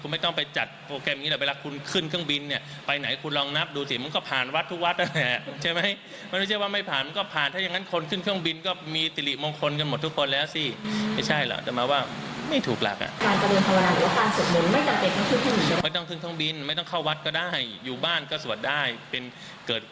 ไม่ต้องถึงท่องบินไม่ต้องเข้าวัดก็ได้อยู่บ้านก็สวดได้